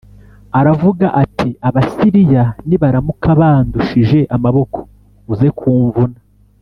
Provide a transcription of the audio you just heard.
Aravuga ati “Abasiriya nibaramuka bandushije amaboko uze kumvuna